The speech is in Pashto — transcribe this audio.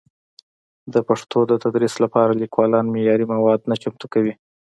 د پښتو د تدریس لپاره لیکوالان معیاري مواد نه چمتو کوي.